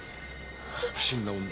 不審な女を。